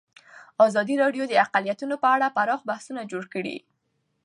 ازادي راډیو د اقلیتونه په اړه پراخ بحثونه جوړ کړي.